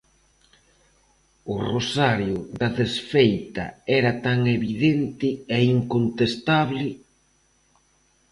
O rosario da desfeita era tan evidente e incontestable!